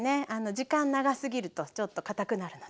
時間長すぎるとちょっとかたくなるので。